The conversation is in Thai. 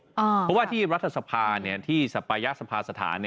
เพราะว่าที่รัฐสภาที่สปายสภาสถาน